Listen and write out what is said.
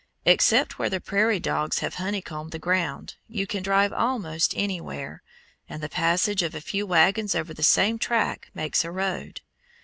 Except where the prairie dogs have honeycombed the ground, you can drive almost anywhere, and the passage of a few wagons over the same track makes a road.